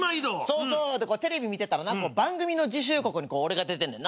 そうそうでテレビ見てたらな番組の次週予告に俺が出てんねん。